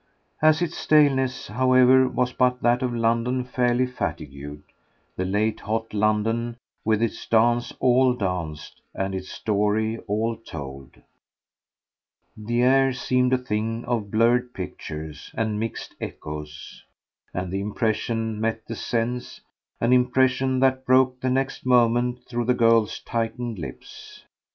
As its staleness, however, was but that of London fairly fatigued, the late hot London with its dance all danced and its story all told, the air seemed a thing of blurred pictures and mixed echoes, and an impression met the sense an impression that broke the next moment through the girl's tightened lips.